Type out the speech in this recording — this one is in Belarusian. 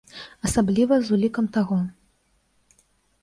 Асабліва з улікам таго.